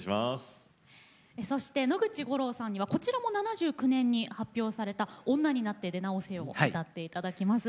そして野口五郎さんにはこちらも７９年に発表された「女になって出直せよ」を歌っていただきます。